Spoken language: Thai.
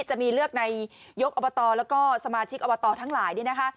จะมีเลือกในยกอบตแล้วก็สมาชิกอบตทั้งหลาย